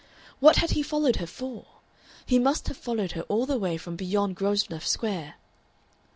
What had he followed her for? He must have followed her all the way from beyond Grosvenor Square.